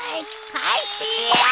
返してよ！